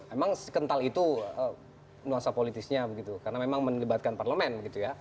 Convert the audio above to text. emang sekental itu nuansa politisnya karena memang menyebabkan parlemen